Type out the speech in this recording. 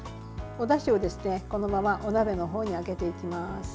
おだしを、このままお鍋のほうにあけていきます。